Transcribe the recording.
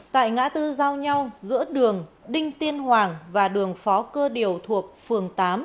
tại ngã tư giao nhau giữa đường đinh tiên hoàng và đường phó cơ điều thuộc phường tám